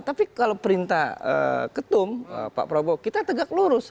tapi kalau perintah ketum pak prabowo kita tegak lurus